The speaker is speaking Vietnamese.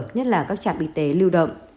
nhất là các trạm y tế lưu động